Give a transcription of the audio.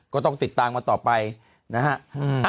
ก็ต้องติดตามมาต่อไปนะฮะ